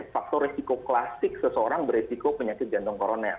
faktor risiko klasik seseorang berisiko penyakit jantung koroner